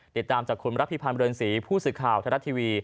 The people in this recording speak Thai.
ติดตามจากคุณรับพิพันธ์เรือนศรีผู้สื่อข่าวไทยรัฐทีวี